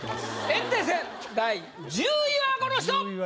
炎帝戦第１０位はこの人！